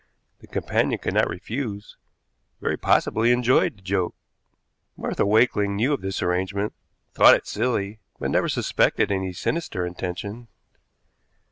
The companion could not refuse, very possibly enjoyed the joke. Martha Wakeling knew of this arrangement, thought it silly, but never suspected any sinister intention.